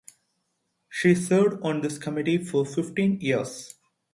She served on this committee for fifteen years.